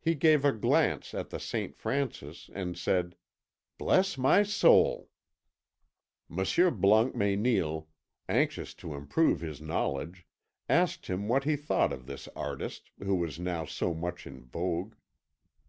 He gave a glance at the Saint Francis, and said: "Bless my soul!" Monsieur Blancmesnil, anxious to improve his knowledge, asked him what he thought of this artist who was now so much in vogue.